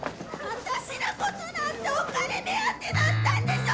私のことなんてお金目当てだったんでしょ！